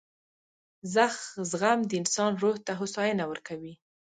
• زغم د انسان روح ته هوساینه ورکوي.